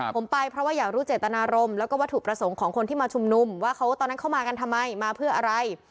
ผมไปเพราะว่าอยากรู้เจตนารมณ์แล้วก็วัตถุประสงค์ของคนที่มาชุมนุมว่าเขาตอนนั้นเข้ามากันทำไมมาเพื่ออะไร